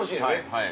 はい。